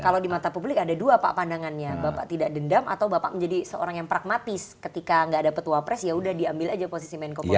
kalau di mata publik ada dua pak pandangannya bapak tidak dendam atau bapak menjadi seorang yang pragmatis ketika nggak ada petua pres ya udah diambil aja posisi menko polhu